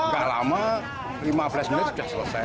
gak lama lima belas menit